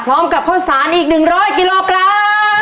พร้อมกับข้าวสารอีก๑๐๐กิโลกรัม